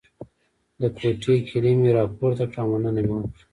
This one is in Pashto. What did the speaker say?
د کوټې کیلي مې راپورته کړه او مننه مې وکړه.